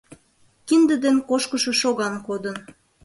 Кинде ден кошкышо шоган кодын.